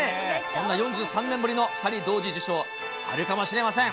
そんな４３年ぶりの２人同時受賞、あるかもしれません。